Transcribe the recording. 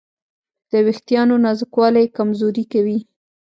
د وېښتیانو نازکوالی یې کمزوري کوي.